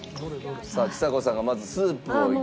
さあちさ子さんがまずスープを。